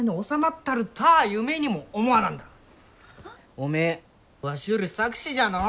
おめえわしより策士じゃのう。